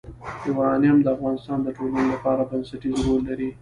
یورانیم د افغانستان د ټولنې لپاره بنسټيز رول لري.